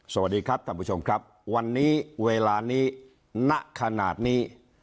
สวัสดีครับท่านผู้ชมครับวันนี้เวลานี้ณขนาดนี้